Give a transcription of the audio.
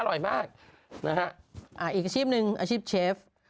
อร่อยมากนะฮะอีกอาชีพหนึ่งอาชีพเชฟ